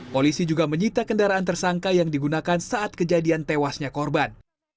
polisi juga menyita kendaraan tersangka yang digunakan saat kejadian tewasnya korban